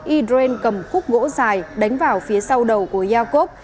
idren cầm khúc gỗ dài đánh vào phía sau đầu của iacob